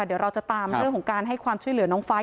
เดี๋ยวเราจะตามเรื่องของการให้ความช่วยเหลือน้องไฟล